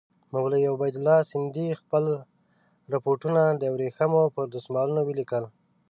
مولوي عبیدالله سندي خپل رپوټونه د ورېښمو پر دسمالونو ولیکل.